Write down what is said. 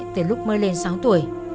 từ lúc mới lên sáu tuổi